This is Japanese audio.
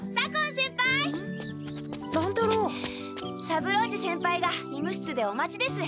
三郎次先輩が医務室でお待ちです。